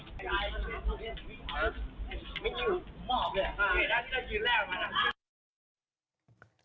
จับเลยเล่นเลย